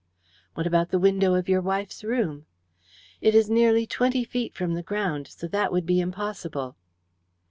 "What about the window of your wife's room?" "It is nearly twenty feet from the ground, so that would be impossible."